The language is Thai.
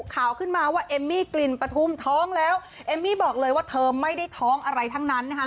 ข่าวขึ้นมาว่าเอมมี่กลิ่นปฐุมท้องแล้วเอมมี่บอกเลยว่าเธอไม่ได้ท้องอะไรทั้งนั้นนะคะ